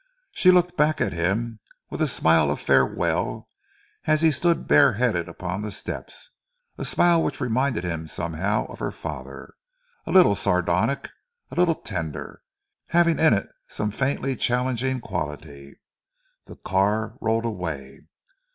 She looked back at him with a smile of farewell as he stood bareheaded upon the steps, a smile which reminded him somehow of her father, a little sardonic, a little tender, having in it some faintly challenging quality. The car rolled away.